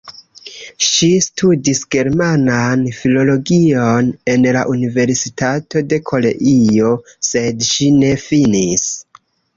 Ŝi studis germanan filologion en la Universitato de Koreio, sed ŝi ne finis.